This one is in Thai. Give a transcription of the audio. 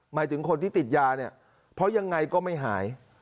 หมายถึงคนที่ติดยาเนี่ยเพราะยังไงก็ไม่หาย